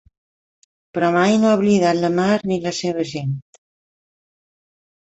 Però mai no he oblidat la mar ni la seva gent.